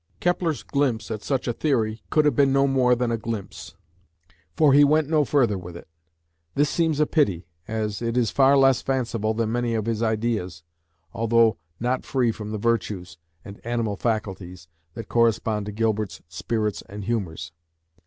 Kepler's glimpse at such a theory could have been no more than a glimpse, for he went no further with it. This seems a pity, as it is far less fanciful than many of his ideas, though not free from the "virtues" and "animal faculties," that correspond to Gilbert's "spirits and humours".